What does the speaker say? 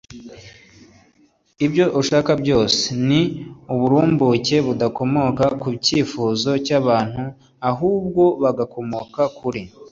ibyo ashaka byose. ni uburumbuke budakomoka ku cyifuzo cy'abantu ahubwo bugakomoka kuri